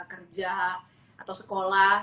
kerja atau sekolah